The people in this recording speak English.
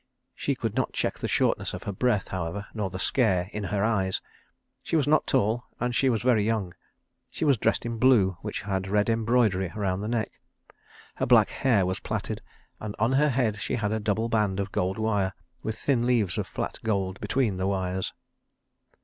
She could not check the shortness of her breath, however; nor the scare in her eyes. She was not tall, and she was very young; she was dressed in blue which had red embroidery round the neck. Her black hair was plaited, and on her head she had a double band of gold wire with thin leaves of flat gold between the wires.